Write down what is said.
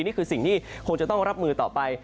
นี่คือสิ่งที่คงจะต้องรับมือต่อไป